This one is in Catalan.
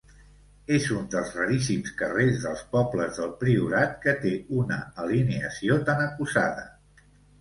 És un dels raríssims carrers dels pobles del Priorat que té una alineació tan acusada.